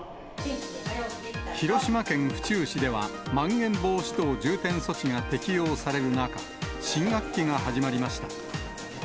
広島県府中市では、まん延防止等重点措置が適用される中、新学期が始まりました。